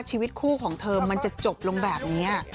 ชีวิตคู่ของเธอมันจะจบลงแบบนี้